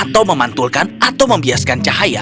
kita bisa mengubahnya dengan cara yang lebih mudah